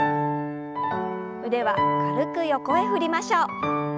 腕は軽く横へ振りましょう。